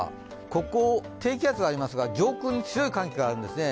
ここ、低気圧がありますが上空に強い寒気があるんですね。